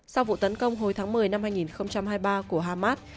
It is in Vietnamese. sau vụ tấn công hồi tháng một mươi năm hai nghìn hai mươi ba của hamas